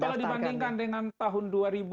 kalau dibandingkan dengan tahun dua ribu dua puluh satu